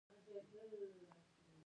آیا بلوڅان په سیستان کې نه دي؟